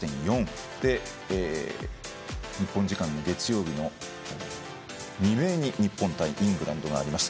日本時間の未明に日本対イングランドがあります。